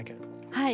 はい。